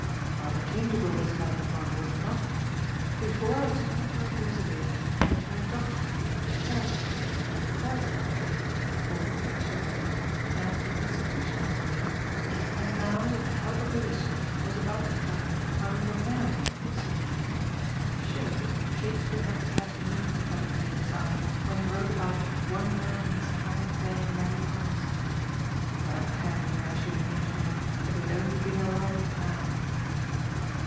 Rather changeable this life of mine, was it not? Before I was twenty five years of age, I had tried doctoring, caricaturing portrait painting, old picture making, and Institution managing; and now, with the help of Alicia, I was about to try how a little marrying would suit me. Surely, Shakespeare must have had me prophetically in his eye, when he wrote about "one man in his time playing many parts." What a character I should have made for him, if he had only been alive now!